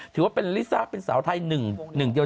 ถือว่าเป็นลิซ่าเป็นสาวไทยหนึ่งเดียว